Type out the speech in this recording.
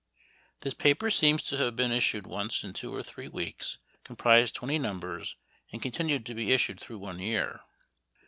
This paper seems to have been issued once in two or three weeks, comprised twenty numbers, and continued to be issued through one year.